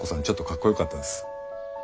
ちょっとかっこよかったです。